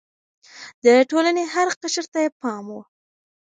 د ټولنې هر قشر ته يې پام و.